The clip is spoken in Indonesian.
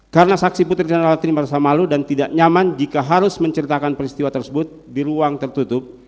karena saksi putri candrawati merasa malu dan tidak nyaman jika harus menceritakan peristiwa tersebut di ruang tertutup